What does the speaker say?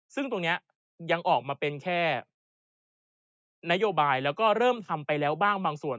ซึ่งตรงนี้ยังออกมาเป็นแค่นโยบายแล้วก็เริ่มทำไปแล้วบ้างบางส่วน